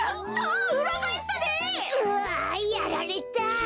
うわやられた！